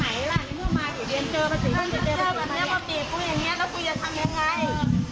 เดี๋ยวมาบีบขึ้งเราคุยจะทำยังไง